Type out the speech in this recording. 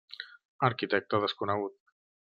Arquitecte desconegut.